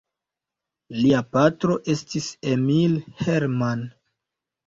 Lia patro estis Emil Herrmann.